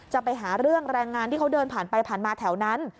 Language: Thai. จะไปหาเรื่องแรงงานที่เขาเดินผ่านไปผ่านมาแถวนั้น